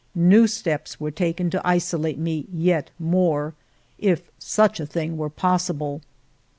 New steps were taken to isolate me yet more, if such a thing were possible.